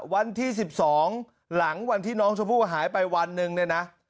วันที่๑๒หลังวันที่น้องชมพู่หายไปวันหนึ่งเนี่ยนะ